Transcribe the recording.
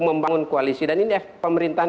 membangun koalisi dan ini pemerintahan